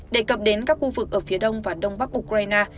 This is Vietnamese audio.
đề cập đến các khu vực ở phía đông và đông bắc ukraine